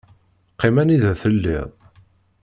Qqim anida telliḍ!